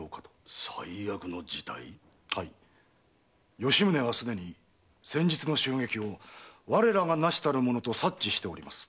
吉宗はすでに先日の襲撃を我らがなしたと察知しています。